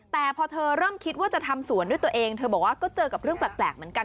แต่พอเธอเริ่มคิดว่าจะทำสวนด้วยตัวเองเธอบอกว่าก็เจอกับเรื่องแปลกเหมือนกัน